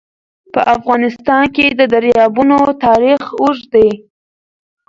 په افغانستان کې د دریابونه تاریخ اوږد دی.